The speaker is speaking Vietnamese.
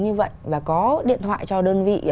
như vậy và có điện thoại cho đơn vị